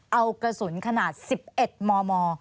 เอากระสุนขนาด๑๑มม